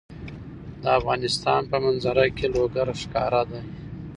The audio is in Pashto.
د افغانستان په منظره کې لوگر ښکاره ده.